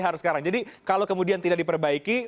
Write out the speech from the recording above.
harus sekarang jadi kalau kemudian tidak diperbaiki